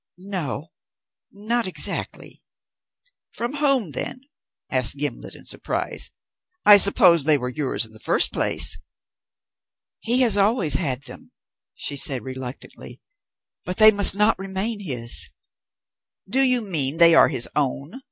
"No not exactly." "From whom, then?" asked Gimblet in surprise. "I suppose they were yours in the first place?" "He has always had them," she said reluctantly; "but they must not remain his." "Do you mean they are his own?"